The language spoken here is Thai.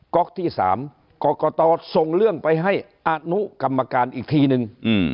ก๊อกที่๓กรกตส่งเรื่องไปให้อนุกรรมการอีกทีนึง